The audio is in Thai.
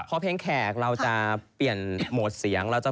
พอเพลงแขกเราจะเปลี่ยนโหมดเสียง